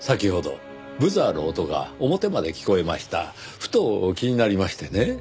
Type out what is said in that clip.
ふと気になりましてね。